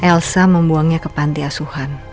elsa membuangnya ke pantiasuhan